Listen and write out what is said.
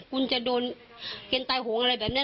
วันแบบวยกหวงเเหละแล้ว